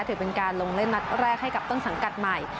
ถือเป็นการลงเล่นนัดแรกให้กับต้นสังกัดใหม่